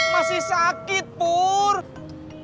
masih sakit purr